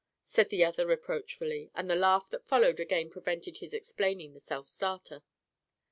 said the other reproachfully. And the laugh that followed again prevented his explaining the self starter.